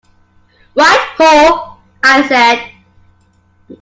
"Right ho," I said.